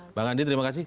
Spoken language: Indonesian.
mbak andi terima kasih